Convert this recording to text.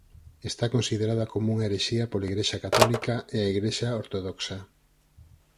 Está considerada como unha herexía pola Igrexa Católica e a Igrexa Ortodoxa.